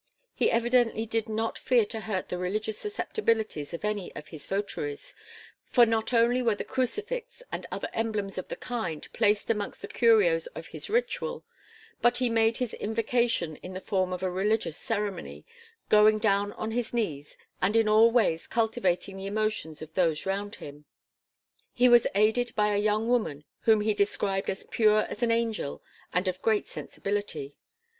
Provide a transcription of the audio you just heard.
He evidently did not fear to hurt the religious susceptibilities of any of his votaries, for not only were the crucifix and other emblems of the kind placed amongst the curios of his ritual, but he made his invocation in the form of a religious ceremony, going down on his knees and in all ways cultivating the emotions of those round him. He was aided by a young woman whom he described as pure as an angel and of great sensibility.